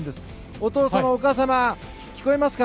お父様、お母様聞こえますか？